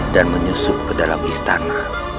dan menyusup ke dalam istana